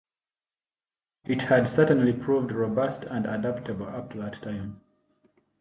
It had certainly proved robust and adaptable up to that time.